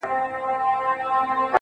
• له ما پـرته وبـــل چــــــاتــــــه.